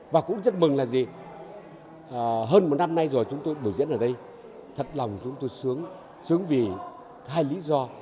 và cũng rất mừng là gì hơn một năm nay rồi chúng tôi biểu diễn ở đây thật lòng chúng tôi sướng vì hai lý do